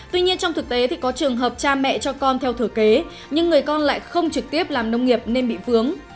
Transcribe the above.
tuy nhiên trong thực tế thì có trường hợp cha mẹ cho con theo thử kế nhưng người con lại không trực tiếp làm nông nghiệp nên bị vướng